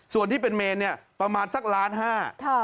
ส่วนที่เป็นเมนเนี่ยประมาณสักล้านห้า